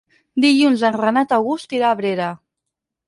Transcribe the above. Dilluns en Renat August irà a Abrera.